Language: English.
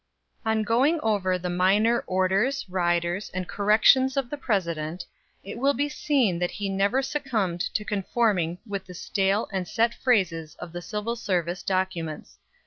On going over the minor orders, riders, and corrections of the President, it will be seen that he never succumbed to conforming with the stale and set phrases of the civil service documents.